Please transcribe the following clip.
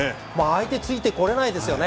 ついてこれないですよね。